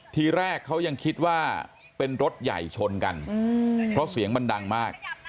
ทีแรกเขายังคิดว่าเป็นรถใหญ่ชนกันเพราะเสียงมันดังมาก